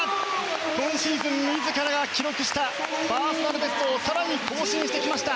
今シーズン自らが記録したパーソナルベストを更に更新してきました。